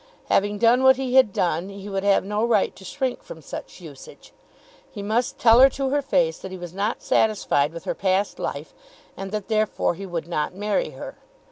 Having done what he had done he would have no right to shrink from such usage. He must tell her to her face that he was not satisfied with her past life, and that therefore he would not marry her.